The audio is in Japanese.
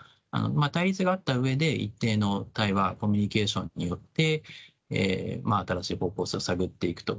対立があったうえで、一定の対話、コミュニケーションによって、新しい方向性を探っていくと。